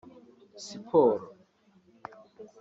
siporo